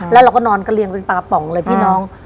แล้วเราก็นอนกระเรียงเป็นปลาป๋องเลยพี่น้อง